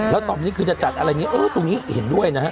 แล้วตอนนี้คือจะจัดอะไรอย่างนี้เออตรงนี้เห็นด้วยนะฮะ